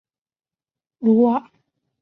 鲁瓦昂地区圣洛朗。